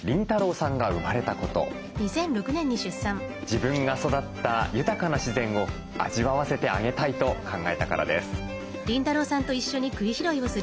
自分が育った豊かな自然を味わわせてあげたいと考えたからです。